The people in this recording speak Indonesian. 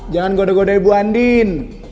jangan goda goda ibu andin